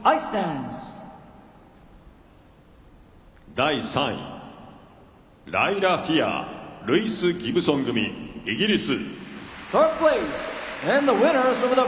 第３位、ライラ・フィアールイス・ギブソン組、イギリス。